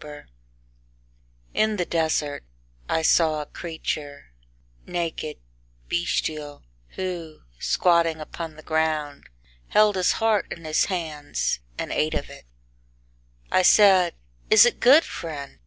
III In the desert I saw a creature, naked, bestial, who, squatting upon the ground, Held his heart in his hands, And ate of it. I said, "Is it good, friend?"